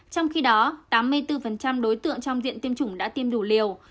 trong khi đó tám mươi bốn đối tượng trong viện tiêm chủng đã tiêm đủ liều